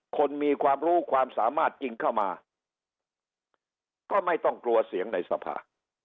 คนมีความรู้ความสามารถจริงเข้ามาก็ไม่ต้องกลัวเสียงในสภา